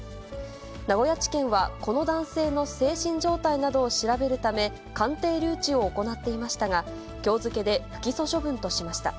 名古屋地検は、この男性の精神状態などを調べるため鑑定留置を行っていましたが、きょう付けで、不起訴処分としました。